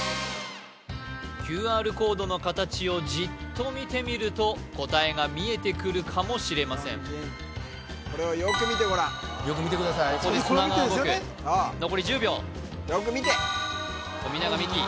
ＱＲコードの形をじっと見てみると答えが見えてくるかもしれませんこれをよく見てごらんここで砂川動く残り１０秒よく見て富永美樹